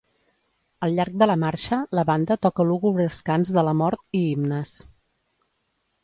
Al llarg de la marxa, la banda toca lúgubres cants de la mort i himnes.